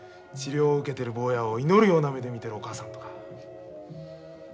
治療を受けてる坊やを祈るような目で見てるお母さんとか。